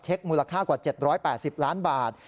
มูลค่ากว่า๗๘๐ล้านบาท